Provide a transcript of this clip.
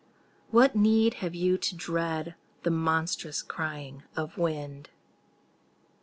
What need have you to dread The monstrous crying of wind?